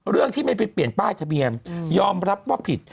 เรื่องที่ไม่ไปเปลี่ยนป้ายทะเบียนยอมรับว่าผิด